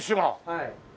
はい。